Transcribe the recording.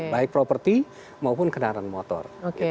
baik properti maupun kendaraan motor